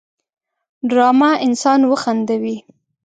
ډرامه انسان وخندوي